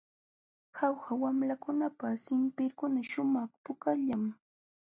Jauja wamlakunapa sirpinkuna shumaq pukallam.